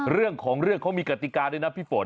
เรื่องของเรื่องเขามีกติกาด้วยนะพี่ฝน